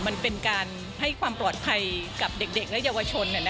มันเป็นการให้ความปลอดภัยกับเด็กและเยาวชน